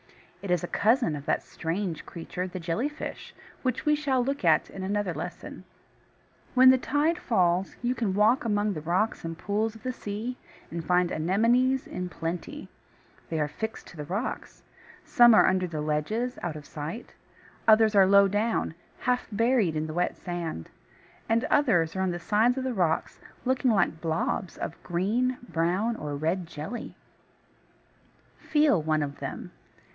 It is a cousin of that strange creature, the Jelly fish, which we shall look at in another lesson. [Illustration: SEA ANEMONE.] When the tide falls, you can walk among the rocks and pools by the sea, and find Anemones in plenty. They are fixed to the rocks. Some are under the ledges, out of sight, others are low down, half buried in the wet sand; and others are on the sides of the rocks, looking like blobs of green, brown, or red jelly. Feel one of them.